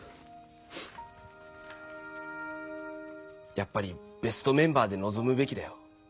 やっぱりベストメンバーでのぞむべきだよ。